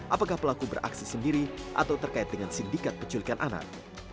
apakah pelaku beraksi sendiri atau terkait dengan sindikat penculikan anak